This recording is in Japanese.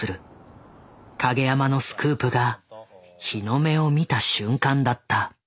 影山のスクープが日の目を見た瞬間だった。